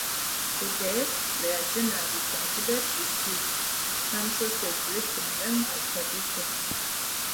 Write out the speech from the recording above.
Today, they are generally considered disused - some sources listing them as "traditional".